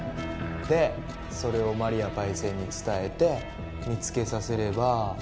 でそれをマリアパイセンに伝えて見つけさせれば。